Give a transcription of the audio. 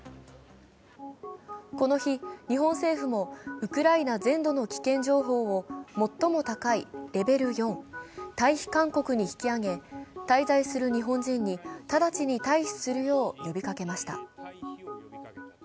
この日、日本政府もウクライナ全土の危険情報を最も高いレベル４＝退避勧告に引き上げ、滞在する日本人に直ちに退避するよう呼びかけました。